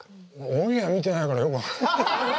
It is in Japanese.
オンエア見てないからよく分かんない。